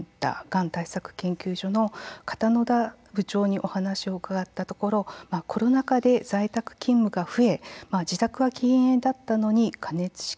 がん対策研究所の片野田部長にお話を伺ったところコロナ禍で在宅勤務が増え自宅は禁煙だったのに加熱式